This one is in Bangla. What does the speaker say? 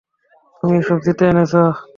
তুমি এসব জিতে এনেছ?